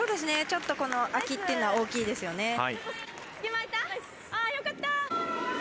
ちょっと、このあきというのは大きいですよね。